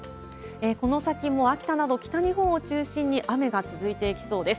この先も秋田など、北日本を中心に雨が続いていきそうです。